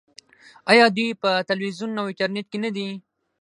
آیا دوی په تلویزیون او انټرنیټ کې نه دي؟